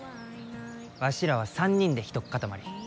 わしらは３人でひとっかたまり。